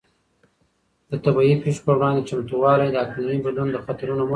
د طبیعي پېښو پر وړاندې چمتووالی د اقلیمي بدلون د خطرونو مخه نیسي.